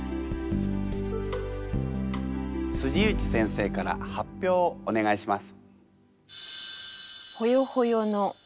内先生から発表をお願いします。